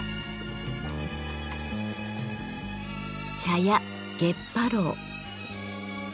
茶屋月波楼。